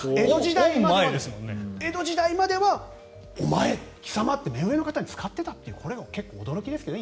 江戸時代まではお前、貴様って目上の方に使っていたというのが驚きですよね